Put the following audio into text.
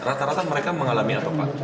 rata rata mereka mengalami apa pak